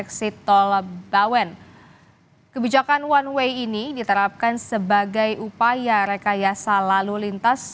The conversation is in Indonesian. kekuatan kebijakan one way ini diterapkan sebagai upaya rekayasa lalu lintas